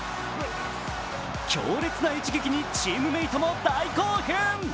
強烈な一撃にチームメイトも大興奮。